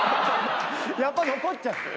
やっぱ残っちゃって。